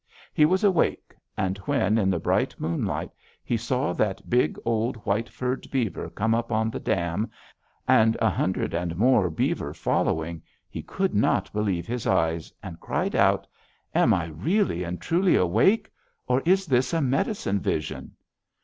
He was awake; and when, in the bright moonlight, he saw that big, old, white furred beaver come up on the dam, and a hundred and more beaver following, he could not believe his eyes, and cried out: 'Am I really and truly awake, or is this a medicine vision?'